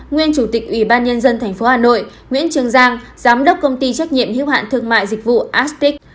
nguyên chủ tịch ủy ban nhân dân tp hà nội nguyễn trương giang giám đốc công ty trách nhiệm hiếu hạn thương mại dịch vụ astic